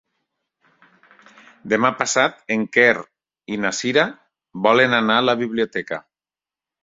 Demà passat en Quer i na Cira volen anar a la biblioteca.